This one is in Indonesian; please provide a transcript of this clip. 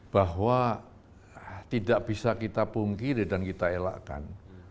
bahwa tidak bisa kita pungkiri dan kita elakkan